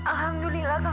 alhamdulillah kak fadil